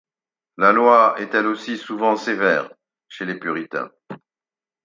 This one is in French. La loi est, elle aussi, souvent sévère chez les puritains.